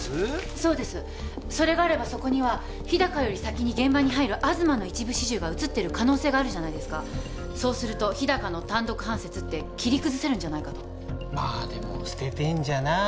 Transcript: そうですそれがあればそこには日高より先に現場に入る東の一部始終が写ってる可能性があるじゃないですかそうすると日高の単独犯説って切り崩せるんじゃないかとまあでも捨ててんじゃない？